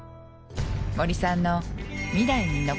森さんの。